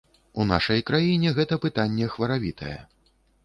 У нашай краіне гэта пытанне хваравітае.